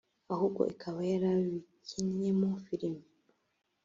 ahubwo ikaba yarabikinnyemo filime